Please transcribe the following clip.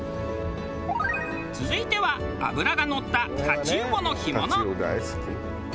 続いては脂がのったタチウオの干物。